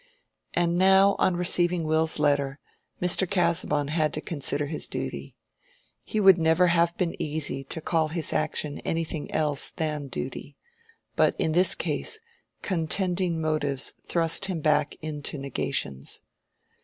And now, on receiving Will's letter, Mr. Casaubon had to consider his duty. He would never have been easy to call his action anything else than duty; but in this case, contending motives thrust him back into negations.